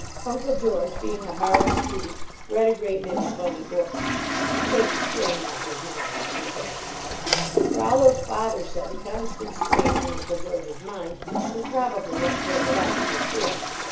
Uncle George, being a hard student, read a great many funny books "to take the strain off his mind," he said. Rol lo s father said the constant strain on Uncle George s mind was probably what pulled it out so thin.